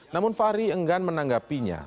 namun fahri enggan menanggapinya